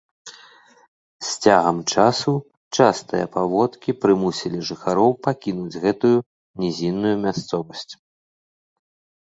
З цягам часу частыя паводкі прымусілі жыхароў пакінуць гэтую нізінную мясцовасць.